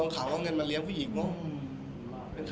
คือเหมือนก่อนที่คุกกรณีค่ะ